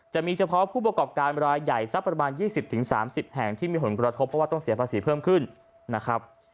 จะมีเฉพาะผู้ประกอบการรายใหญ่สักประมาณ๒๐๓๐แห่งที่มีผลกระทบเพราะว่าต้องเสียภาษีเพิ่มขึ้นนะครับ